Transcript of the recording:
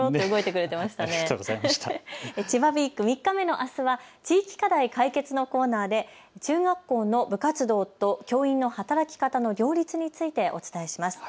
千葉ウイーク３日目のあすは地域課題カイケツのコーナーで中学校の部活動と教員の働き方の両立についてお伝えします。